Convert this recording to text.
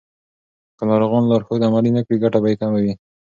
که ناروغان لارښود عملي نه کړي، ګټه به یې کمه وي.